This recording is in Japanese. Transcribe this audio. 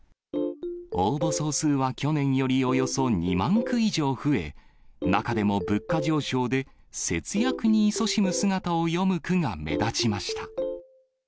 応募総数は去年よりおよそ２万句以上増え、中でも物価上昇で節約にいそしむ姿を詠む句が目立ちました。